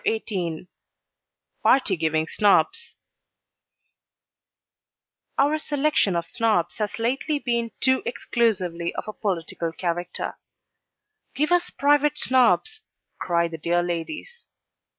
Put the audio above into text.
CHAPTER XVIII PARTY GIVING SNOBS Our selection of Snobs has lately been too exclusively of a political character. 'Give us private Snobs,' cry the dear ladies.